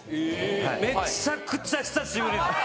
めちゃくちゃ久しぶりです。